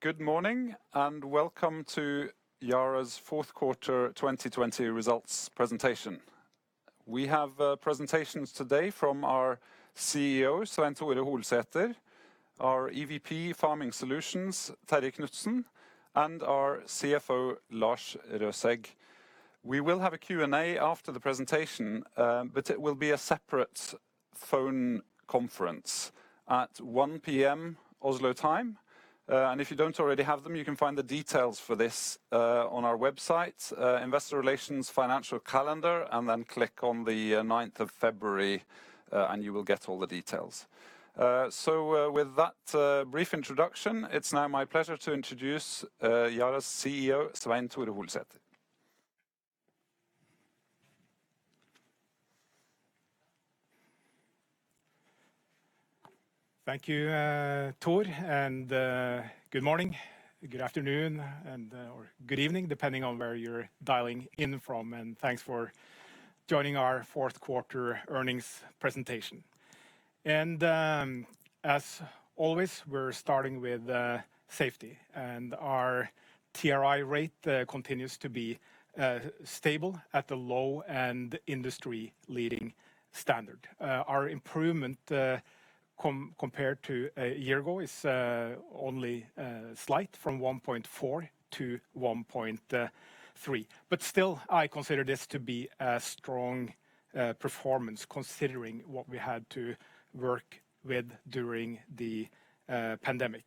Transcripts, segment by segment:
Good morning, welcome to Yara's fourth quarter 2020 results presentation. We have presentations today from our CEO, Svein Tore Holsether, our EVP Farming Solutions, Terje Knutsen, and our CFO, Lars Røsæg. We will have a Q&A after the presentation, it will be a separate phone conference at 1:00 P.M. Oslo Time. If you don't already have them, you can find the details for this on our website, Investor Relations, Financial Calendar, click on the 9th of February, you will get all the details. With that brief introduction, it's now my pleasure to introduce Yara's CEO, Svein Tore Holsether. Thank you, Thor. Good morning, good afternoon, or good evening, depending on where you're dialing in from. Thanks for joining our fourth quarter earnings presentation. As always, we're starting with safety. Our TRI rate continues to be stable at the low and industry-leading standard. Our improvement compared to a year ago is only slight, from 1.4 to 1.3. Still, I consider this to be a strong performance, considering what we had to work with during the pandemic.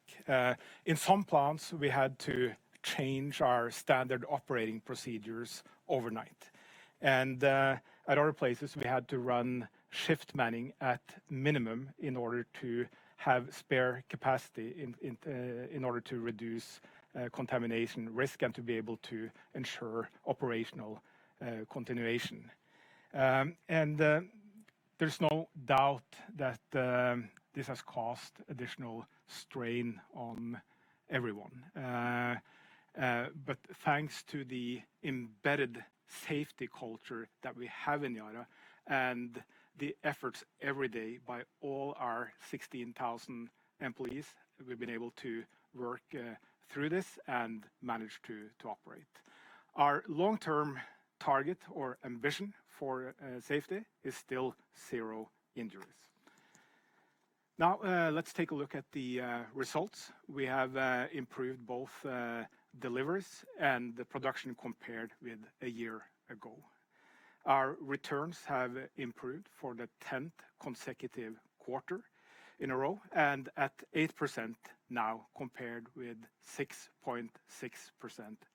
In some plants, we had to change our standard operating procedures overnight. At other places, we had to run shift manning at minimum in order to have spare capacity in order to reduce contamination risk and to be able to ensure operational continuation. There's no doubt that this has caused additional strain on everyone. Thanks to the embedded safety culture that we have in Yara and the efforts every day by all our 16,000 employees, we've been able to work through this and manage to operate. Our long-term target or ambition for safety is still zero injuries. Let's take a look at the results. We have improved both deliveries and the production compared with a year ago. Our returns have improved for the 10th consecutive quarter in a row and at 8% now compared with 6.6%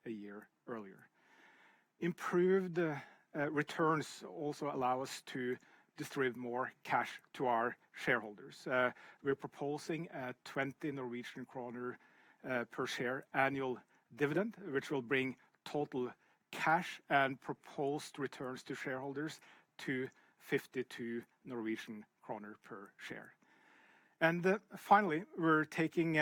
a year earlier. Improved returns also allow us to distribute more cash to our shareholders. We're proposing a 20 Norwegian kroner per share annual dividend, which will bring total cash and proposed returns to shareholders to 52 Norwegian kroner per share. Finally, we're taking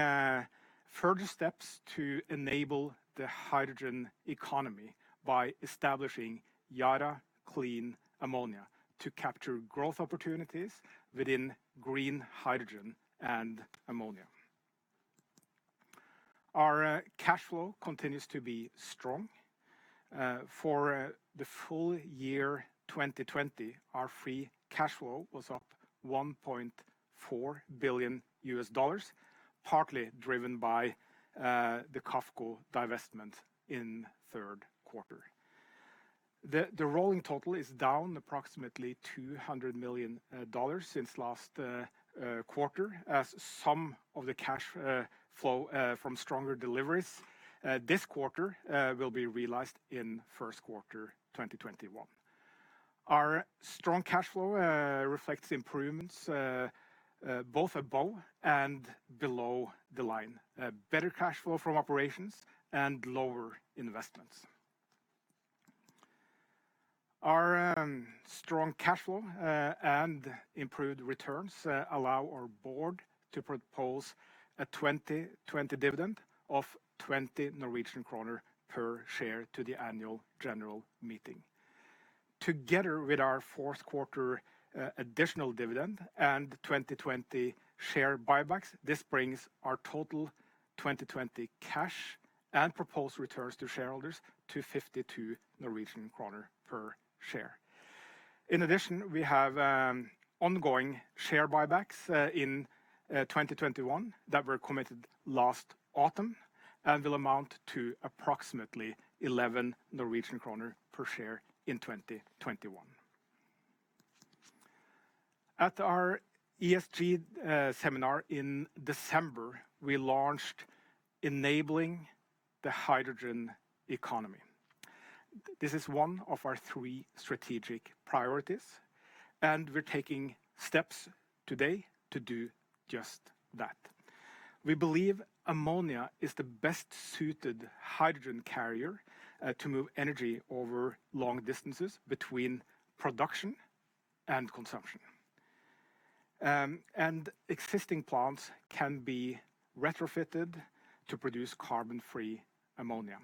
further steps to enable the hydrogen economy by establishing Yara Clean Ammonia to capture growth opportunities within green hydrogen and ammonia. Our cash flow continues to be strong. For the full year 2020, our free cash flow was up $1.4 billion, partly driven by the QAFCO divestment in the third quarter. The rolling total is down approximately $200 million since last quarter, as some of the cash flow from stronger deliveries this quarter will be realized in first quarter 2021. Our strong cash flow reflects improvements both above and below the line, better cash flow from operations and lower investments. Our strong cash flow and improved returns allow our board to propose a 2020 dividend of 20 Norwegian kroner per share to the annual general meeting. Together with our fourth quarter additional dividend and 2020 share buybacks, this brings our total 2020 cash and proposed returns to shareholders to 52 Norwegian kroner per share. In addition, we have ongoing share buybacks in 2021 that were committed last autumn and will amount to approximately 11 Norwegian kroner per share in 2021. At our ESG Investor Seminar in December, we launched Enabling the Hydrogen Economy. This is one of our three strategic priorities, and we're taking steps today to do just that. We believe ammonia is the best-suited hydrogen carrier to move energy over long distances between production and consumption. Existing plants can be retrofitted to produce carbon-free ammonia.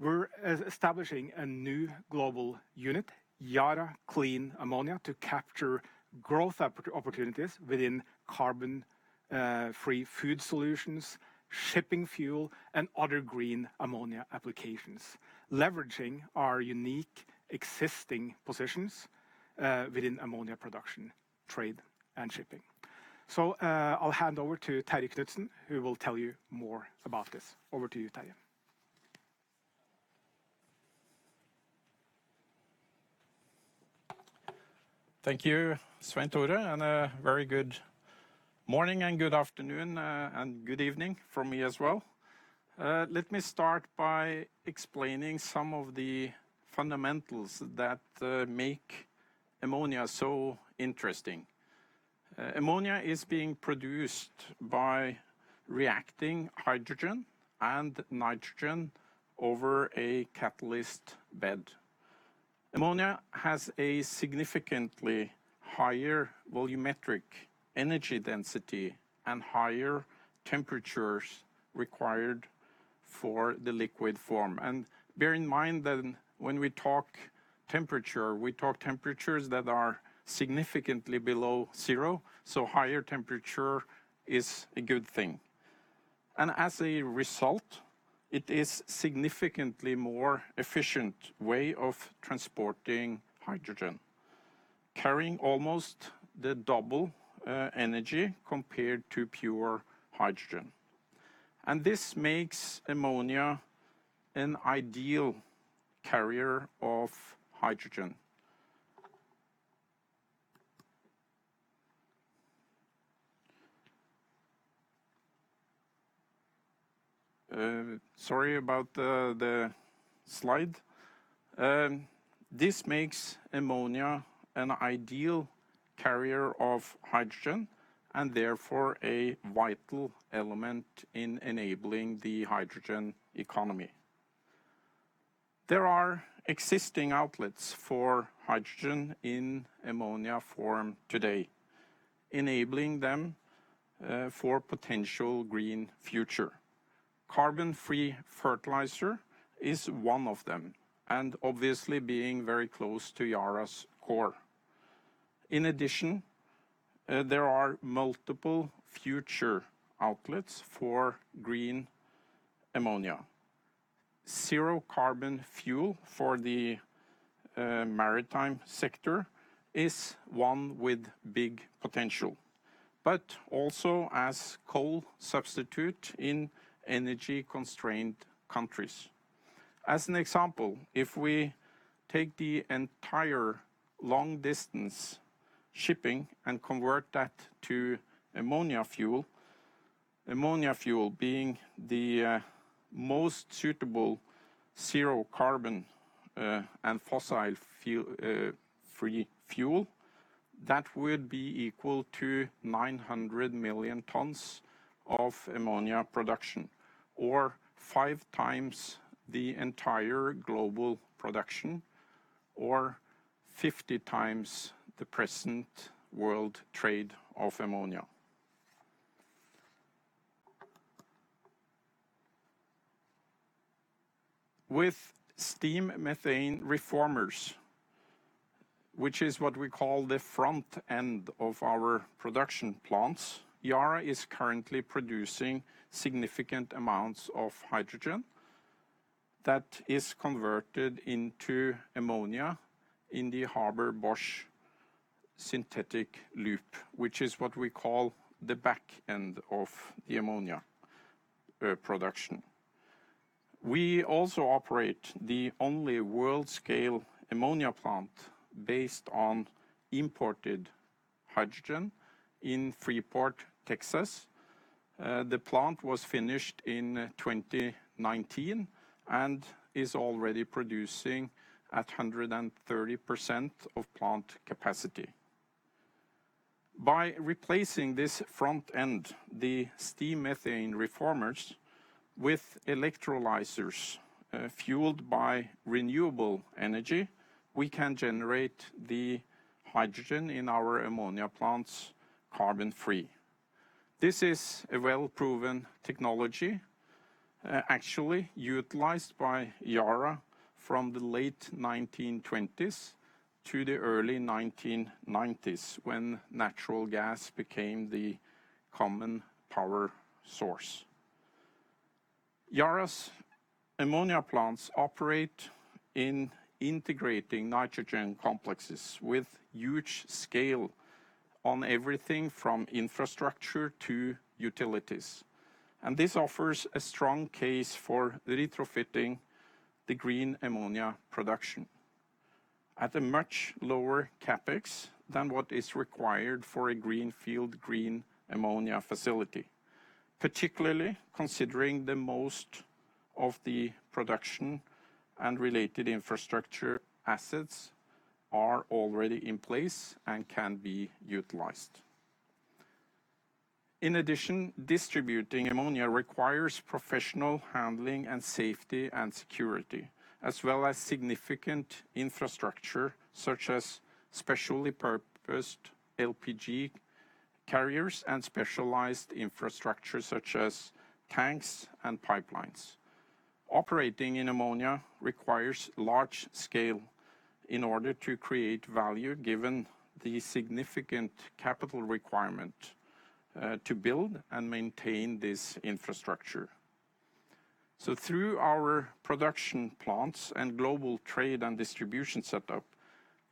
We're establishing a new global unit, Yara Clean Ammonia, to capture growth opportunities within carbon-free food solutions, shipping fuel, and other green ammonia applications, leveraging our unique existing positions within ammonia production, trade, and shipping. I'll hand over to Terje Knutsen, who will tell you more about this. Over to you, Terje. Thank you, Svein Tore, and a very good morning and good afternoon and good evening from me as well. Let me start by explaining some of the fundamentals that make ammonia so interesting. Ammonia is being produced by reacting hydrogen and nitrogen over a catalyst bed. Ammonia has a significantly higher volumetric energy density and higher temperatures required for the liquid form. Bear in mind that when we talk temperature, we talk temperatures that are significantly below zero, so higher temperature is a good thing. As a result, it is significantly more efficient way of transporting hydrogen, carrying almost the double energy compared to pure hydrogen. This makes ammonia an ideal carrier of hydrogen. Sorry about the slide. This makes ammonia an ideal carrier of hydrogen and therefore a vital element in enabling the hydrogen economy. There are existing outlets for hydrogen in ammonia form today, enabling them for potential green future. Carbon-free fertilizer is one of them, and obviously being very close to Yara's core. In addition, there are multiple future outlets for green ammonia. Zero-carbon fuel for the maritime sector is one with big potential, but also as coal substitute in energy-constrained countries. As an example, if we take the entire long-distance shipping and convert that to ammonia fuel, ammonia fuel being the most suitable zero carbon and fossil-free fuel, that would be equal to 900 million tons of ammonia production or 5x the entire global production or 50x the present world trade of ammonia. With steam methane reformers, which is what we call the front end of our production plants, Yara is currently producing significant amounts of hydrogen that is converted into ammonia in the Haber-Bosch synthesis loop, which is what we call the back end of the ammonia production. We also operate the only world-scale ammonia plant based on imported hydrogen in Freeport, Texas. The plant was finished in 2019 and is already producing at 130% of plant capacity. By replacing this front end, the steam methane reformers with electrolyzers fueled by renewable energy, we can generate the hydrogen in our ammonia plants carbon-free. This is a well-proven technology actually utilized by Yara from the late 1920s to the early 1990s when natural gas became the common power source. Yara's ammonia plants operate in integrating nitrogen complexes with huge scale on everything from infrastructure to utilities. This offers a strong case for retrofitting the green ammonia production at a much lower CapEx than what is required for a greenfield green ammonia facility, particularly considering that most of the production and related infrastructure assets are already in place and can be utilized. In addition, distributing ammonia requires professional handling and safety and security. As well as significant infrastructure, such as specially purposed LPG carriers and specialized infrastructure, such as tanks and pipelines. Operating in ammonia requires large scale in order to create value, given the significant capital requirement to build and maintain this infrastructure. Through our production plants and global trade and distribution setup,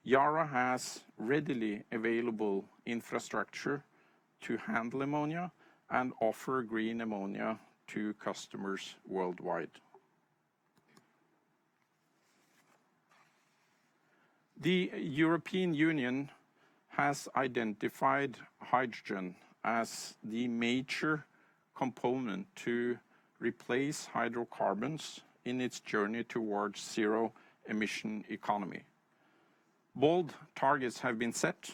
Yara has readily available infrastructure to handle ammonia and offer green ammonia to customers worldwide. The European Union has identified hydrogen as the major component to replace hydrocarbons in its journey towards zero-emission economy. Bold targets have been set,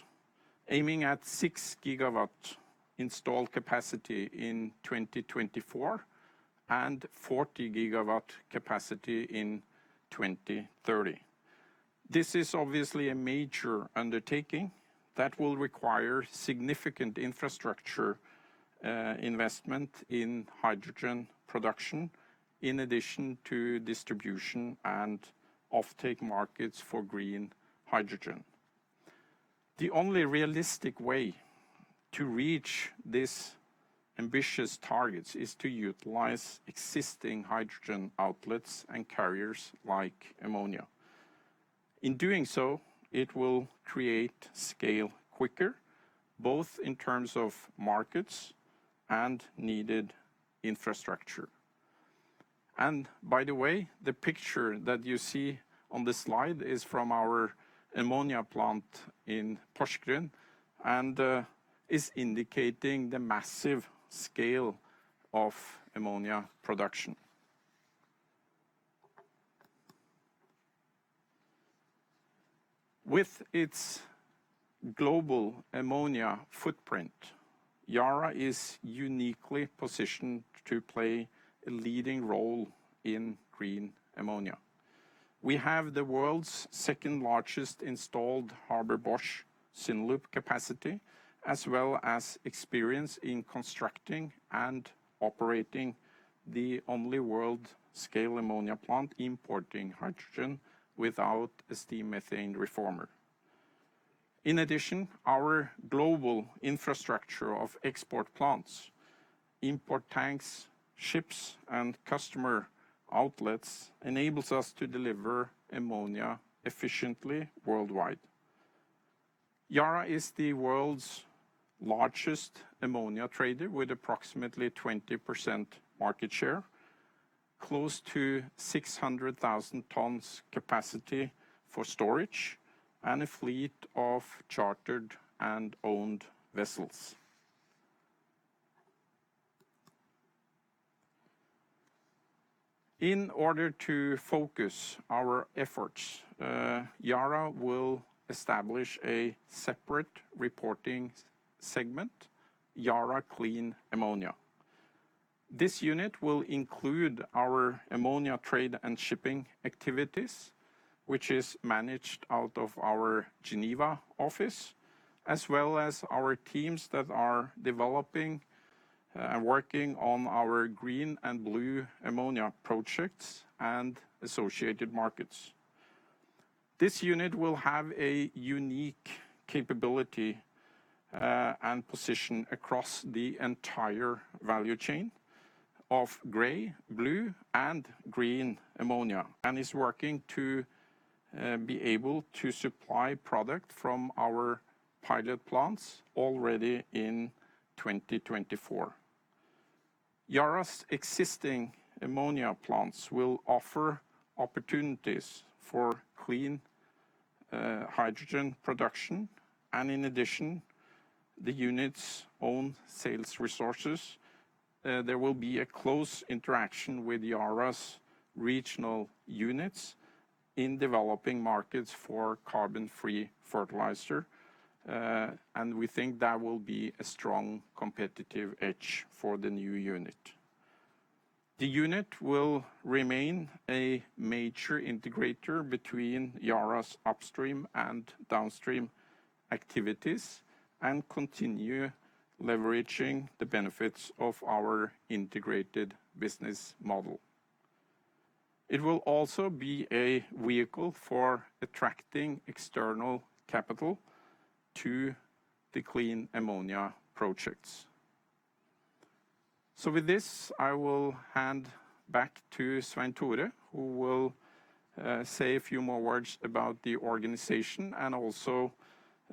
aiming at 6 GW installed capacity in 2024 and 40 GW capacity in 2030. This is obviously a major undertaking that will require significant infrastructure investment in hydrogen production, in addition to distribution and offtake markets for green hydrogen. The only realistic way to reach these ambitious targets is to utilize existing hydrogen outlets and carriers like ammonia. In doing so, it will create scale quicker, both in terms of markets and needed infrastructure. By the way, the picture that you see on the slide is from our ammonia plant in Porsgrunn, and is indicating the massive scale of ammonia production. With its global ammonia footprint, Yara is uniquely positioned to play a leading role in green ammonia. We have the world's second largest installed Haber-Bosch synthesis loop capacity, as well as experience in constructing and operating the only world-scale ammonia plant importing hydrogen without a steam methane reformer. In addition, our global infrastructure of export plants, import tanks, ships, and customer outlets enables us to deliver ammonia efficiently worldwide. Yara is the world's largest ammonia trader, with approximately 20% market share, close to 600,000 tons capacity for storage, and a fleet of chartered and owned vessels. In order to focus our efforts, Yara will establish a separate reporting segment, Yara Clean Ammonia. This unit will include our ammonia trade and shipping activities, which is managed out of our Geneva office, as well as our teams that are developing and working on our green and blue ammonia projects and associated markets. This unit will have a unique capability and position across the entire value chain of grey, blue, and green ammonia, and is working to be able to supply product from our pilot plants already in 2024. Yara's existing ammonia plants will offer opportunities for clean hydrogen production and in addition, the unit's own sales resources. There will be a close interaction with Yara's regional units in developing markets for carbon-free fertilizer, and we think that will be a strong competitive edge for the new unit. The unit will remain a major integrator between Yara's upstream and downstream activities and continue leveraging the benefits of our integrated business model. It will also be a vehicle for attracting external capital to the clean ammonia projects. With this, I will hand back to Svein Tore, who will say a few more words about the organization and also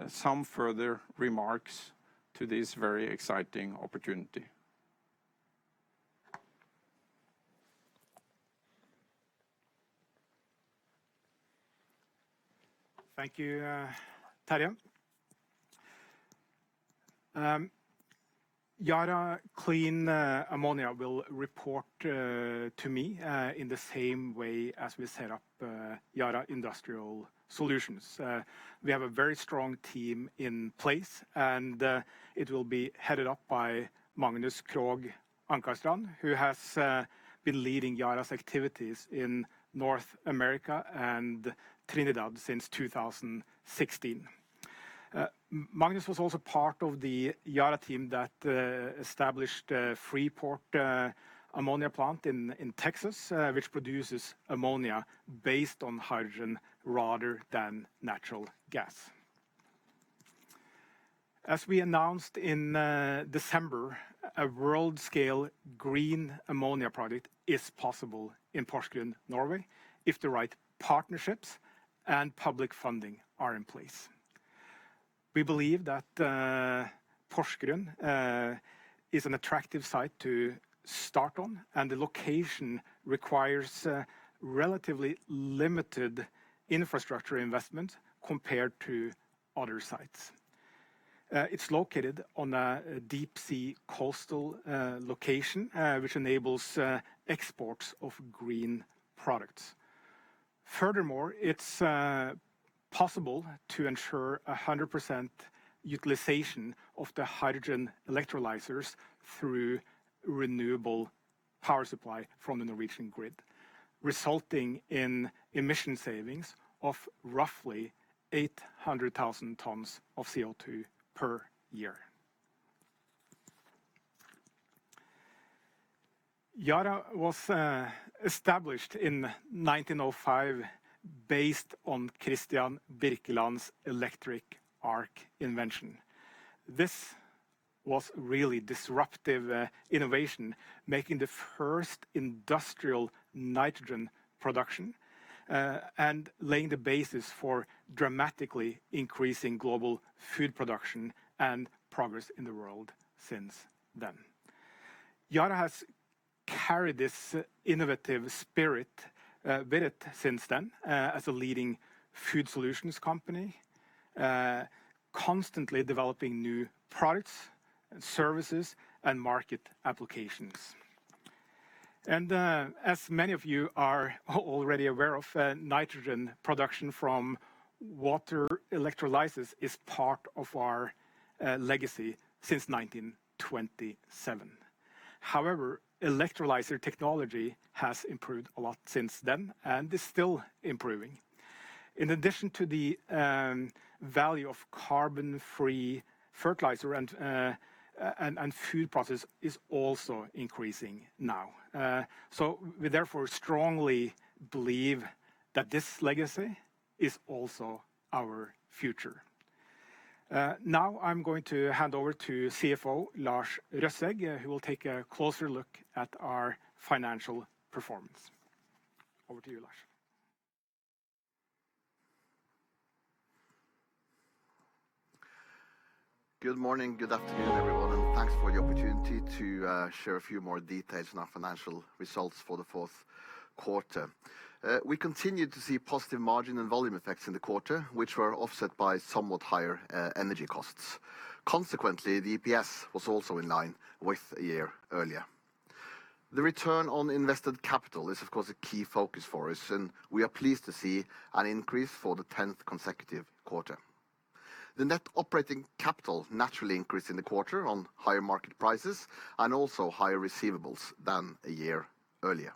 some further remarks to this very exciting opportunity. Thank you, Terje. Yara Clean Ammonia will report to me, in the same way as we set up Yara Industrial Solutions. We have a very strong team in place, and it will be headed up by Magnus Krogh Ankarstrand, who has been leading Yara's activities in North America and Trinidad since 2016. Magnus was also part of the Yara team that established Freeport Ammonia Plant in Texas, which produces ammonia based on hydrogen rather than natural gas. As we announced in December, a world-scale green ammonia project is possible in Porsgrunn, Norway, if the right partnerships and public funding are in place. We believe that Porsgrunn is an attractive site to start on. The location requires relatively limited infrastructure investment compared to other sites. It's located on a deep-sea coastal location, which enables exports of green products. Furthermore, it's possible to ensure 100% utilization of the hydrogen electrolyzers through renewable power supply from the Norwegian grid, resulting in emission savings of roughly 800,000 tons of CO2 per year. Yara was established in 1905 based on Kristian Birkeland's electric arc invention. This was really disruptive innovation, making the first industrial nitrogen production, and laying the basis for dramatically increasing global food production and progress in the world since then. Yara has carried this innovative spirit with it since then as a leading food solutions company, constantly developing new products, services, and market applications. As many of you are already aware of, nitrogen production from water electrolysis is part of our legacy since 1927. However, electrolyzer technology has improved a lot since then and is still improving. In addition to the value of carbon-free fertilizer and food process is also increasing now. We therefore strongly believe that this legacy is also our future. Now I'm going to hand over to CFO Lars Røsæg, who will take a closer look at our financial performance. Over to you, Lars. Good morning, good afternoon, everyone, and thanks for the opportunity to share a few more details on our financial results for the fourth quarter. We continued to see positive margin and volume effects in the quarter, which were offset by somewhat higher energy costs. Consequently, the EPS was also in line with a year earlier. The return on invested capital is, of course, a key focus for us, and we are pleased to see an increase for the 10th consecutive quarter. The net operating capital naturally increased in the quarter on higher market prices and also higher receivables than a year earlier.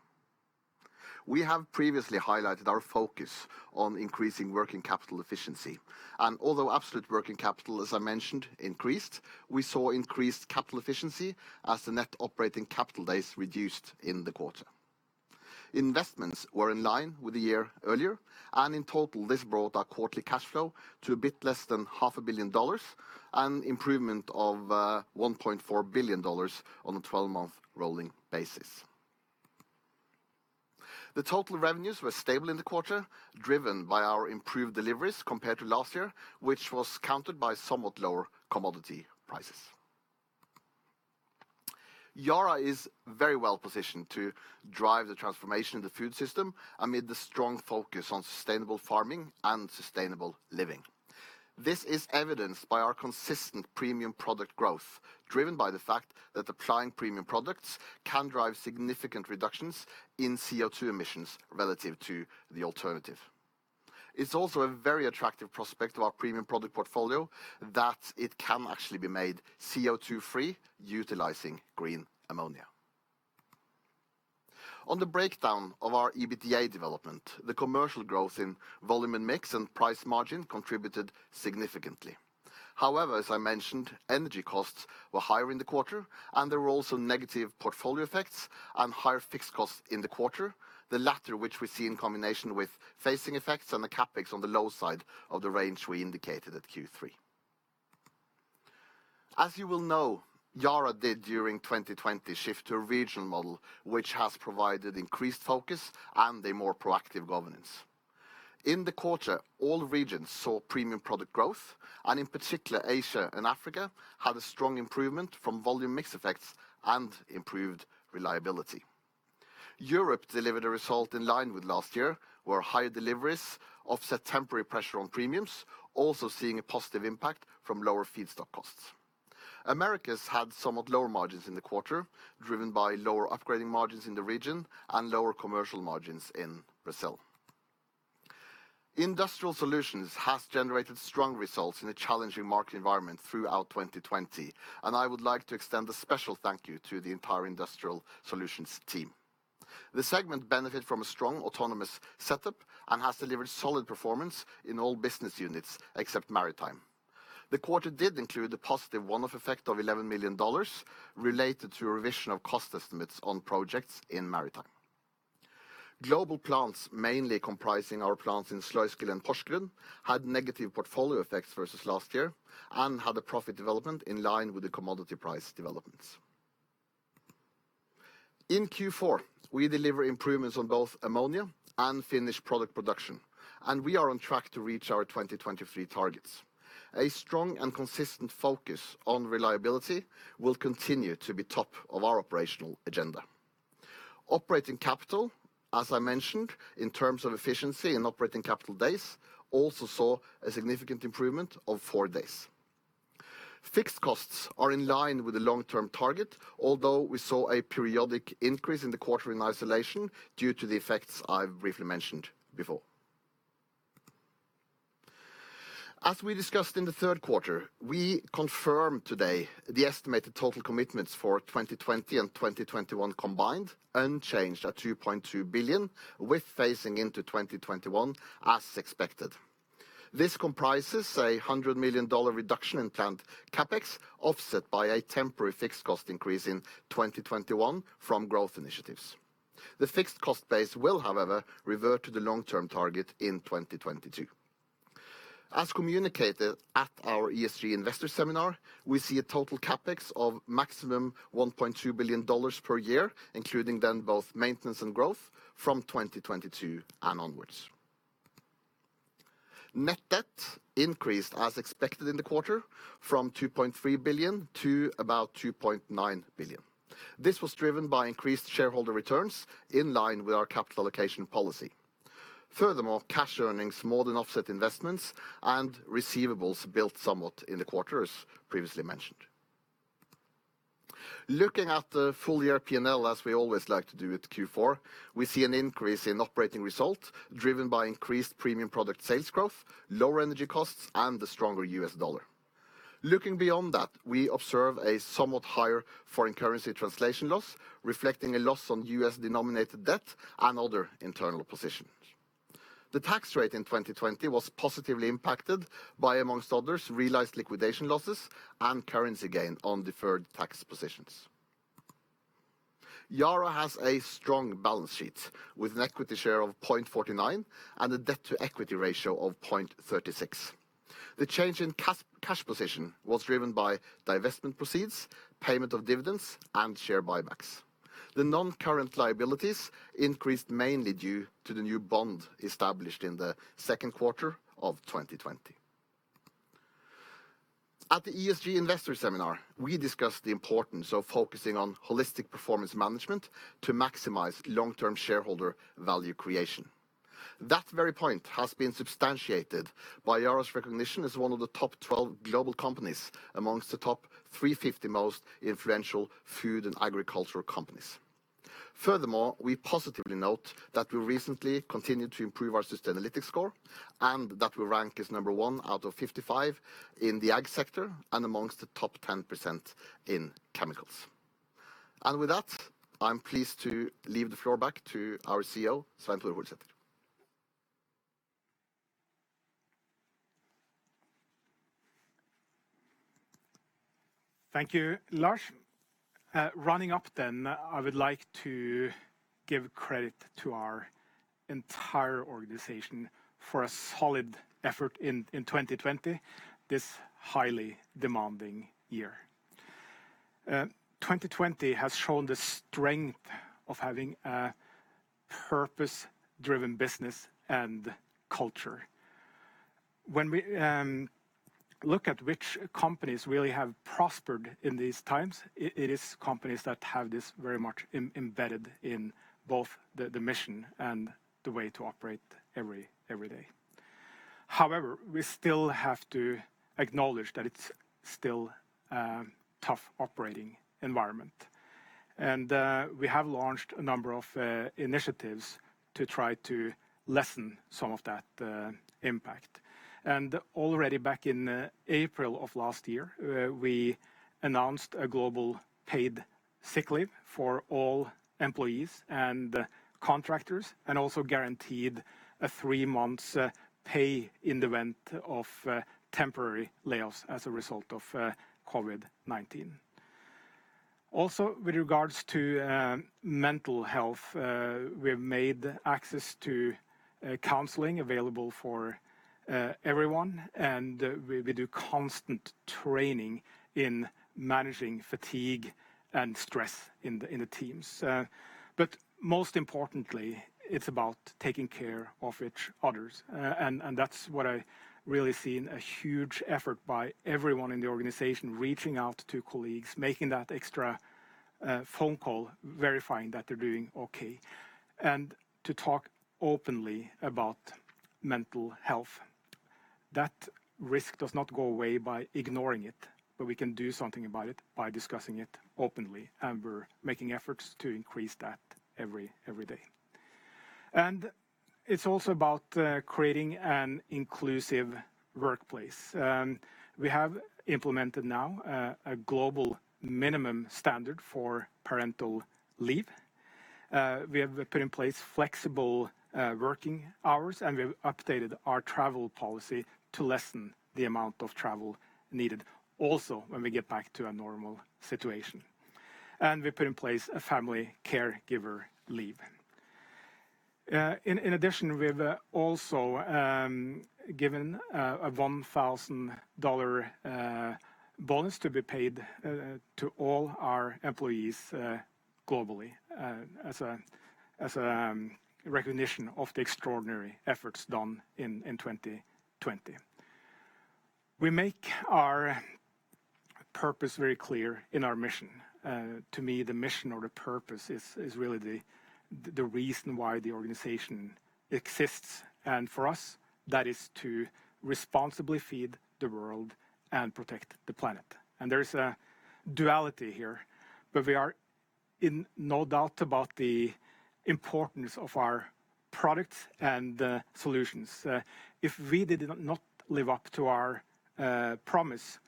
We have previously highlighted our focus on increasing working capital efficiency, and although absolute working capital, as I mentioned, increased, we saw increased capital efficiency as the net operating capital days reduced in the quarter. Investments were in line with the year earlier, in total, this brought our quarterly cash flow to a bit less than $500 million, an improvement of $1.4 billion on a 12-month rolling basis. The total revenues were stable in the quarter, driven by our improved deliveries compared to last year, which was countered by somewhat lower commodity prices. Yara is very well positioned to drive the transformation of the food system amid the strong focus on sustainable farming and sustainable living. This is evidenced by our consistent premium product growth, driven by the fact that applying premium products can drive significant reductions in CO2 emissions relative to the alternative. It's also a very attractive prospect of our premium product portfolio that it can actually be made CO2-free utilizing green ammonia. On the breakdown of our EBITDA development, the commercial growth in volume and mix and price margin contributed significantly. However, as I mentioned, energy costs were higher in the quarter, and there were also negative portfolio effects and higher fixed costs in the quarter, the latter which we see in combination with phasing effects and the CapEx on the low side of the range we indicated at Q3. As you will know, Yara did during 2020 shift to a regional model, which has provided increased focus and a more proactive governance. In the quarter, all regions saw premium product growth, and in particular, Asia and Africa had a strong improvement from volume mix effects and improved reliability. Europe delivered a result in line with last year, where higher deliveries offset temporary pressure on premiums, also seeing a positive impact from lower feedstock costs. Americas had somewhat lower margins in the quarter, driven by lower upgrading margins in the region and lower commercial margins in Brazil. Industrial Solutions has generated strong results in a challenging market environment throughout 2020, and I would like to extend a special thank you to the entire Industrial Solutions team. The segment benefit from a strong autonomous setup and has delivered solid performance in all business units except Maritime. The quarter did include a positive one-off effect of $11 million related to a revision of cost estimates on projects in Maritime. Global Plants, mainly comprising our plants in Sluiskil and Porsgrunn, had negative portfolio effects versus last year and had a profit development in line with the commodity price developments. In Q4, we deliver improvements on both ammonia and finished product production, and we are on track to reach our 2023 targets. A strong and consistent focus on reliability will continue to be top of our operational agenda. Operating capital, as I mentioned, in terms of efficiency and operating capital days, also saw a significant improvement of four days. Fixed costs are in line with the long-term target, although we saw a periodic increase in the quarter in isolation due to the effects I briefly mentioned before. As we discussed in the third quarter, we confirm today the estimated total commitments for 2020 and 2021 combined, unchanged at $2.2 billion, with phasing into 2021 as expected. This comprises a $100 million reduction in planned CapEx, offset by a temporary fixed cost increase in 2021 from growth initiatives. The fixed cost base will, however, revert to the long-term target in 2022. As communicated at our ESG Investor Seminar, we see a total CapEx of maximum $1.2 billion per year, including then both maintenance and growth, from 2022 and onwards. Net debt increased as expected in the quarter from $2.3 billion to about $2.9 billion. This was driven by increased shareholder returns in line with our capital allocation policy. Furthermore, cash earnings more than offset investments and receivables built somewhat in the quarter, as previously mentioned. Looking at the full year P&L, as we always like to do with Q4, we see an increase in operating result driven by increased premium product sales growth, lower energy costs, and the stronger U.S. dollar. Looking beyond that, we observe a somewhat higher foreign currency translation loss, reflecting a loss on U.S. denominated debt and other internal positions. The tax rate in 2020 was positively impacted by, amongst others, realized liquidation losses and currency gain on deferred tax positions. Yara has a strong balance sheet, with an equity share of 0.49 and a debt-to-equity ratio of 0.36x. The change in cash position was driven by divestment proceeds, payment of dividends, and share buybacks. The non-current liabilities increased mainly due to the new bond established in the second quarter of 2020. At the ESG Investor Seminar, we discussed the importance of focusing on holistic performance management to maximize long-term shareholder value creation. That very point has been substantiated by Yara's recognition as one of the top 12 global companies amongst the top 350 most influential food and agricultural companies. Furthermore, we positively note that we recently continued to improve our Sustainalytics score and that we rank as number one out of 55 in the ag sector and amongst the top 10% in chemicals. With that, I'm pleased to leave the floor back to our CEO, Svein Tore Holsether. Thank you, Lars. Running up, I would like to give credit to our entire organization for a solid effort in 2020, this highly demanding year. 2020 has shown the strength of having a purpose-driven business and culture. When we look at which companies really have prospered in these times, it is companies that have this very much embedded in both the mission and the way to operate every day. However, we still have to acknowledge that it's still a tough operating environment, and we have launched a number of initiatives to try to lessen some of that impact. Already back in April of last year, we announced a global paid sick leave for all employees and contractors and also guaranteed three months pay in the event of temporary layoffs as a result of COVID-19. With regards to mental health, we have made access to counseling available for everyone, and we do constant training in managing fatigue and stress in the teams. Most importantly, it's about taking care of each other. That's what I really seen, a huge effort by everyone in the organization, reaching out to colleagues, making that extra phone call, verifying that they're doing okay, and to talk openly about mental health. That risk does not go away by ignoring it, but we can do something about it by discussing it openly, and we're making efforts to increase that every day. It's also about creating an inclusive workplace. We have implemented now a global minimum standard for parental leave. We have put in place flexible working hours, and we've updated our travel policy to lessen the amount of travel needed also when we get back to a normal situation. We put in place a family caregiver leave. In addition, we've also given a $1,000 bonus to be paid to all our employees globally as a recognition of the extraordinary efforts done in 2020. We make our purpose very clear in our mission. To me, the mission or the purpose is really the reason why the organization exists, and for us, that is to responsibly feed the world and protect the planet. There is a duality here, but we are in no doubt about the importance of our products and solutions. If we did not live up to our promise,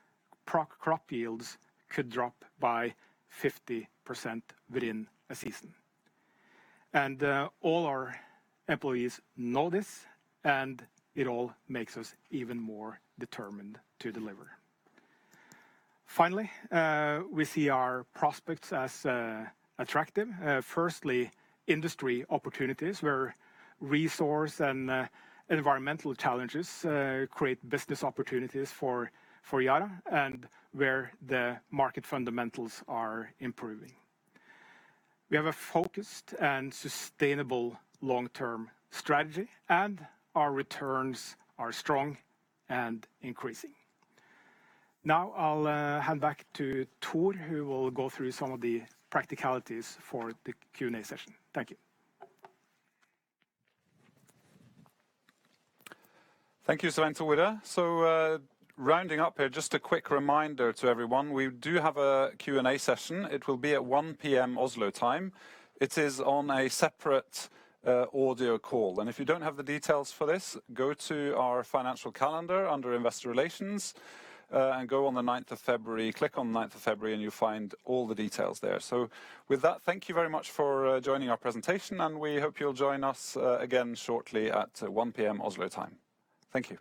crop yields could drop by 50% within a season. All our employees know this, and it all makes us even more determined to deliver. Finally, we see our prospects as attractive. Firstly, industry opportunities where resource and environmental challenges create business opportunities for Yara and where the market fundamentals are improving. We have a focused and sustainable long-term strategy, and our returns are strong and increasing. Now I'll hand back to Thor, who will go through some of the practicalities for the Q&A session. Thank you. Thank you, Svein Tore. Rounding up here, just a quick reminder to everyone, we do have a Q&A session. It will be at 1:00 P.M. Oslo time. It is on a separate audio call, and if you don't have the details for this, go to our financial calendar under investor relations, and go on the 9th of February, click on 9th of February, and you'll find all the details there. With that, thank you very much for joining our presentation, and we hope you'll join us again shortly at 1:00 P.M. Oslo time. Thank you.